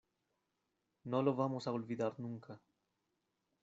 no lo vamos a olvidar nunca.